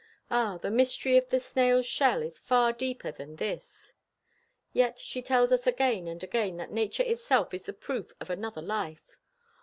Ah, the mystery of the snail's shell is far deeper than this." Yet she tells us again and again that Nature itself is the proof of another life.